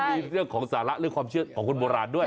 มีเรื่องของสาระเรื่องของเชื่ออัตโนโลปราณด้วย